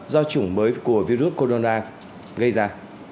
do chủng mới của virus corona gây ra